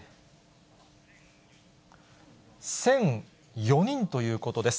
１００４人ということです。